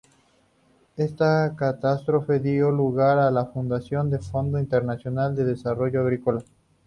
Esta catástrofe dio lugar a la fundación del Fondo Internacional de Desarrollo Agrícola.